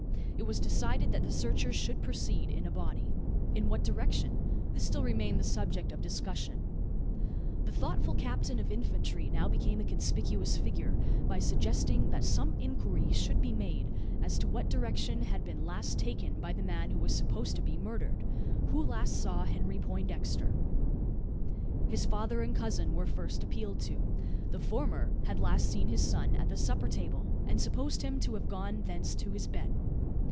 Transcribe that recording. It was decided that the searchers should proceed in a body. In what direction? This still remained the subject of discussion. The thoughtful captain of infantry now became a conspicuous figure, by suggesting that some inquiry should be made, as to what direction had been last taken by the man who was supposed to be murdered. Who last saw Henry Poindexter? His father and cousin were first appealed to. The former had last seen his son at the supper table; and supposed him to have gone thence to his bed.